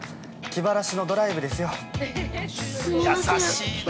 気晴らしのドライブですよ。